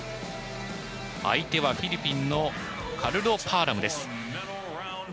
相手はフィリピンのカルロ・パアラムです。